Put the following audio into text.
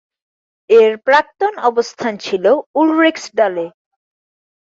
এর প্রাক্তন অবস্থান ছিল উলরিক্সডালে।